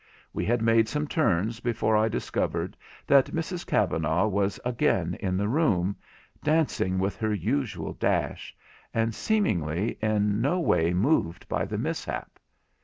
We had made some turns before I discovered that Mrs Kavanagh was again in the room, dancing with her usual dash, and seemingly in no way moved by the mishap.